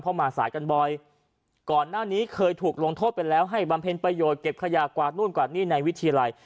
เพราะมาสายกันบ่อยก่อนหน้านี้เคยถูกลงโทษไปแล้วให้บำเพ็ญประโยชน์เก็บขยะกวาดนู่นกวาดนี่ในวิทยาลัย